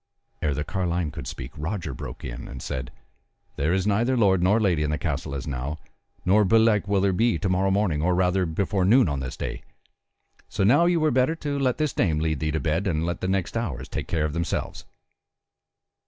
Ere the carline could speak Roger broke in and said: "There is neither lord nor lady in the castle as now, nor belike will there be to morrow morning, or rather, before noon on this day; so now ye were better to let this dame lead thee to bed, and let the next hours take care of themselves."